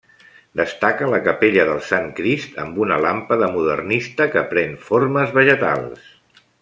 Destaca la capella del Sant Crist amb una làmpada modernista que pren formes vegetals.